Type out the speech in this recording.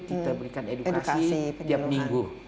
kita berikan edukasi setiap minggu